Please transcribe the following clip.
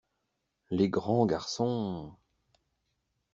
Les grands garçons.